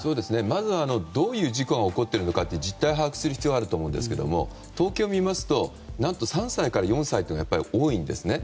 まずはどういう事故が起こってるのか実態把握する必要があると思うんですけど統計を見ますと３歳から４歳がやはり多いんですね。